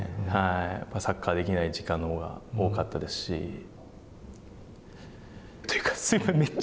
やっぱりサッカーできない時間のほうが、多かったですし。というか、めっちゃ。